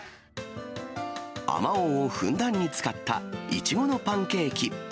あまおうをふんだんに使ったいちごのパンケーキ。